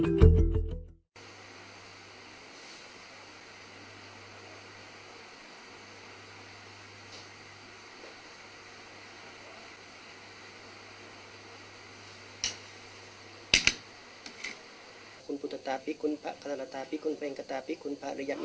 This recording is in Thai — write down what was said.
สวัสดีครับคุณพุทธตาพี่คุณพระคัตตาลตาพี่คุณเวรกตาพี่คุณพระอุยัมเมตตโยลาคุณประออุดทัศน์ก็ได้ทราบที่จะขอบคุณค่ะ